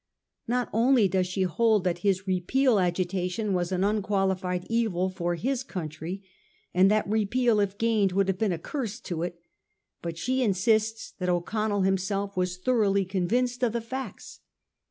Not only does she hold that his Repeal agitation was an unquali fied evil for his country, and that Repeal, if gained, would have been a curse to it, but she insists that O'Connell himself was thoroughly convinced of the facts.